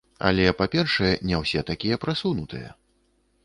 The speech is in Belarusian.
Але, па-першае, не ўсе такія прасунутыя.